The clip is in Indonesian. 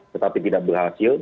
tetapi tidak berhasil